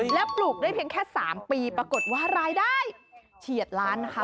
และปลูกได้เพียงแค่๓ปีปรากฏว่ารายได้เฉียดล้านนะคะ